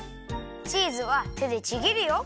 チーズはてでちぎるよ。